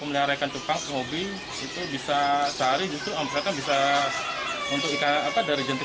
melihara ikan cupang ke hobi itu bisa cari justru amplotnya bisa untuk ikan apa dari jentik